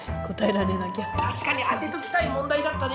確かに当てときたい問題だったね。